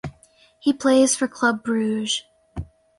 He plays for Club Brugge.